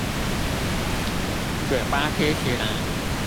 嘴巴貼起來